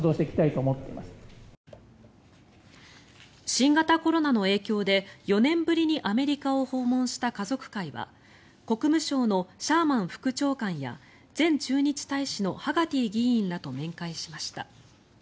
新型コロナの影響で４年ぶりにアメリカを訪問した家族会は国務省のシャーマン副長官や前駐日大使のハガティ議員らと面会しました。